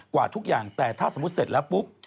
กว่าทุกอย่างแต่ถ้าสมมุติเสร็จแล้วปุ๊บ